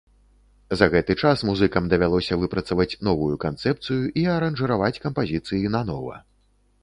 За гэты час музыкам давялося выпрацаваць новую канцэпцыю і аранжыраваць кампазіцыі нанова.